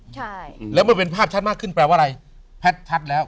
ใช่แล้วเมื่อเป็นภาพชัดมากขึ้นแปลว่าอะไรแพทย์ชัดแล้ว